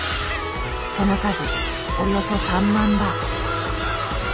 その数およそ３万羽。